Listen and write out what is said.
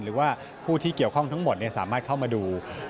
หรือว่าผู้ที่เกี่ยวข้องทั้งหมดสามารถเข้ามาดู